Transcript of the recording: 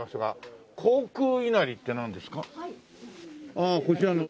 ああこちらの。